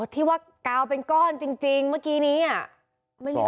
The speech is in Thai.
ที่ว่ากาวเป็นก้อนจริงเมื่อกี้นี้อ่ะ